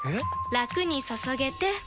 ラクに注げてペコ！